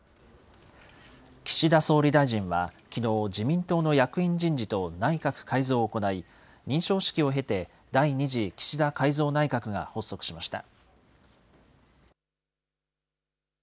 岸田総理大臣はきのう、自民党の役員人事と内閣改造を行い、認証式を経て第２次岸田改造内閣が発足しました。